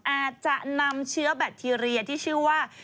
อาจจะนำเชื้อแบคทีเรียที่ชื่อว่า